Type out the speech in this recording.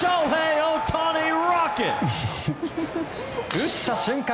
打った瞬間